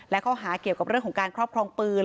และข้อหาเกี่ยวกับเรื่องของการครอบครองปืน